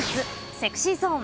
ＳｅｘｙＺｏｎｅ。